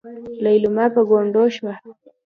ليلما په ګونډو شوه.